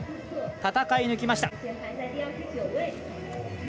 戦い抜きました。